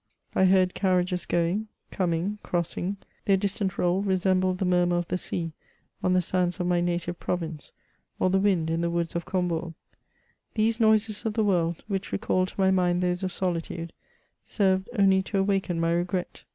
I heard carriages going, coming, crossing ; their distant roll resembled the murmur of the sea on the sands of my native province, or the wind in the woods of Combourg. These iK>ises of the world, which recalled to my mind those of solitude, served only to awaken my regret.